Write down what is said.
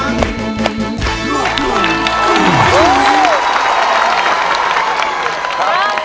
ร้องได้ให้ร้อง